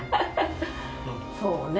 そうね。